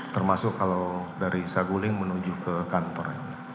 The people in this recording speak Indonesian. termasuk kalau dari saguling menuju ke kantor